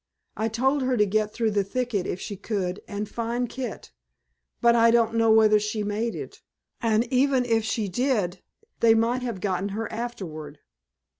I told her to get through the thicket if she could and find Kit, but I don't know whether she made it, and even if she did they might have got her afterward.